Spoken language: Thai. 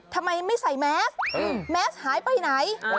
ทำไมไม่ใส่แม็กซ์แม็กซ์หายไปไหน